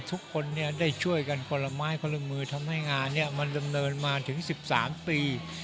ทุกคนได้ช่วยกันคนละไม้คนละมือทำให้งานนี้มันดำเนินมาถึง๑๓ปี